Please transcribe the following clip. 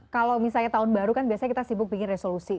kalau misalnya tahun baru kan biasanya kita sibuk bikin resolusi